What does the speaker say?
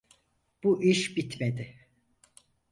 Bu iş bitmedi.